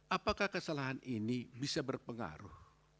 apakah kesalahan ini bisa berpengaruh